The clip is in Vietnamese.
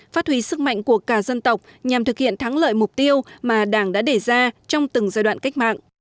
phát huy sức mạnh của cả dân tộc nhằm thực hiện thắng lợi mục tiêu mà đảng đã đề ra trong từng giai đoạn cách mạng